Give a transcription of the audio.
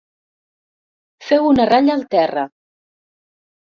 Feu una ratlla al terra.